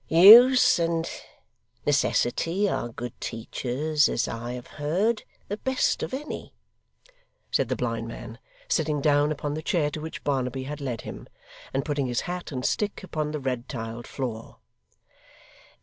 'Use and necessity are good teachers, as I have heard the best of any,' said the blind man, sitting down upon the chair to which Barnaby had led him, and putting his hat and stick upon the red tiled floor.